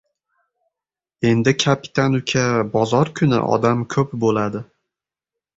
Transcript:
— Endi, kapitan uka, bozor kuni odam ko‘p bo‘ladi.